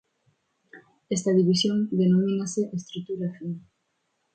Esta división denomínase estrutura fina.